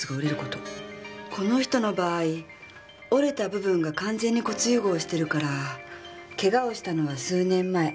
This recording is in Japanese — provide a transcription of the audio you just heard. この人の場合折れた部分が完全に骨癒合してるからケガをしたのは数年前。